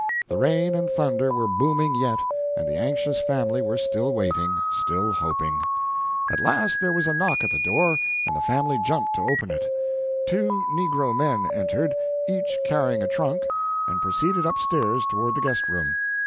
The rain and thunder were booming yet, and the anxious family were still waiting, still hoping. At last there was a knock at the door and the family jumped to open it. Two negro men entered, each carrying a trunk, and proceeded up stairs toward the guest room.